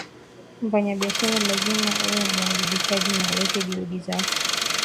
mfanyabiashara lazima uwe muajibikaji na uweke juhudi zako